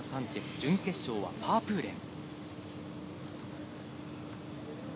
準決勝はパープーレン。